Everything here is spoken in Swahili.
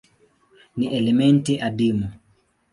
Ni elementi adimu.